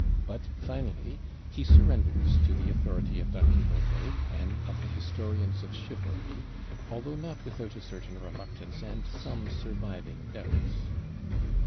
But finally he surrenders to the authority of Don Quixote, and of the historians of chivalry, although not without a certain reluctance and some surviving doubts.